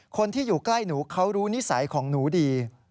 คนที่อยู่ใกล้หนูเขารู้นิสัยของหนูดี